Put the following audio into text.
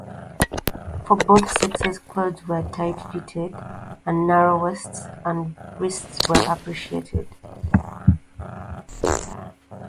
For both sexes clothes were tight-fitted, and narrow waists and wrists were appreciated.